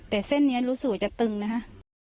แต่เส้นนี้รู้สึกว่าจะตึงนะคะ